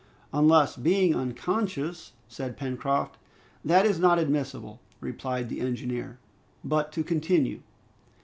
"Unless, being unconscious " said Pencroft. "That is not admissible," replied the engineer. "But to continue.